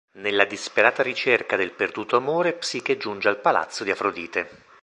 Nella disperata ricerca del perduto amore Psiche giunge al palazzo di Afrodite.